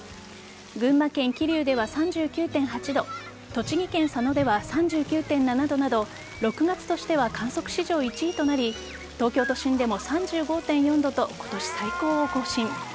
群馬県桐生では３９．８度栃木県佐野では３９．７度など６月としては観測史上１位となり東京都心でも３５．４度と今年最高を更新。